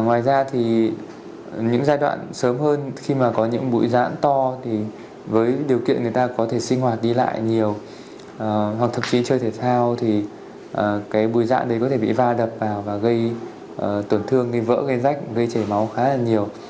ngoài ra thì những giai đoạn sớm hơn khi mà có những bụi rãn to thì với điều kiện người ta có thể sinh hoạt đi lại nhiều hoặc thậm chí chơi thể thao thì cái bụi dãn đấy có thể bị va đập vào và gây tổn thương vỡ gây rách gây chảy máu khá là nhiều